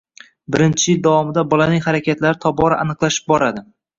Birinchi yil davomida bolaning harakatlari tobora aniqlashib boradi